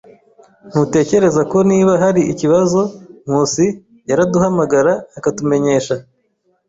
Ntutekereza ko niba hari ikibazo, Nkusi yaraduhamagara akatumenyesha?